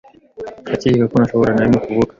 Ndakeka ko ntashobora na rimwe kuvuga!